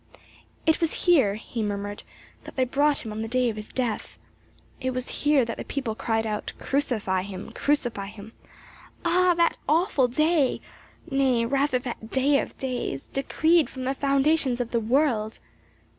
"It was here," he murmured, "that they brought him on the day of his death. It was here that the people cried out 'Crucify him Crucify him!' Ah, that awful day nay rather that day of days, decreed from the foundations of the world!"